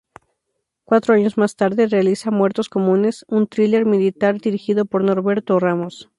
Cuatro años más tarde realiza "Muertos comunes", un "thriller" militar dirigido por Norberto Ramos.